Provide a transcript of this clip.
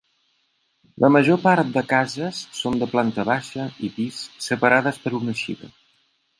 La major part de cases són de planta baixa i pis separades per una eixida.